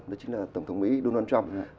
đó chính là tổng thống mỹ donald trump